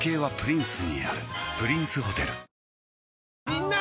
みんな！